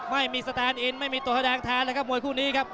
ไม่มีสแตนอินไม่มีตัวแสดงแทนเลยครับมวยคู่นี้ครับ